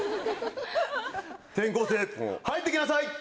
転校生入って来なさい！